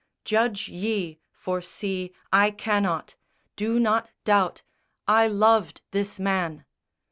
Judge ye for see, I cannot. Do not doubt I loved this man!